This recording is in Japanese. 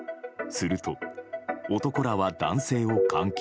すると、男らは男性を監禁。